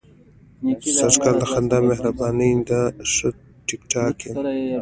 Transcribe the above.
سږ کال د خدای مهرباني ده، ښه ټیک ټاک یم.